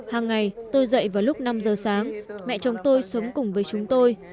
hàng ngày tôi dậy vào lúc năm giờ sáng mẹ chồng tôi sống cùng với chúng tôi